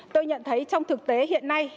tôi nhận thấy trong thực tế hiện nay